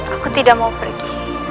aku tidak mau pergi